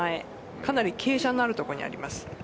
かなり傾斜のある所にあります。